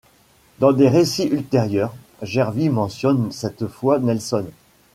Dans des récits ultérieurs, Jervis mentionne cette fois Nelson.